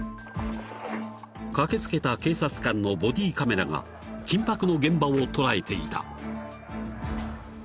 ［駆け付けた警察官のボディーカメラが緊迫の現場を捉えていた］